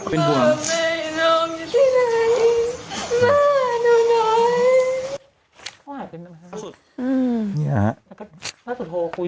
พ่อแม่น้องอยู่ที่ไหนมาหนูน้อย